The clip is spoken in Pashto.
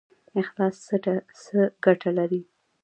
اخلاص څه ګټه لري؟